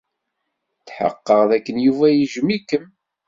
Tḥeqqeɣ dakken Yuba yejjem-ikem.